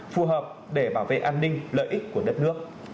phù hợp để bảo vệ an ninh lợi ích của đất nước